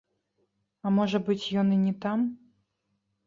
А можа быць, ён і не там?